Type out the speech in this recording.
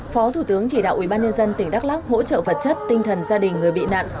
phó thủ tướng chỉ đạo ubnd tỉnh đắk lắc hỗ trợ vật chất tinh thần gia đình người bị nạn